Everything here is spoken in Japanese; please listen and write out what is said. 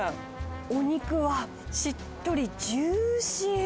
お肉はしっとりジューシー。